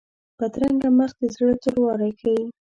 بدرنګه مخ د زړه توروالی ښيي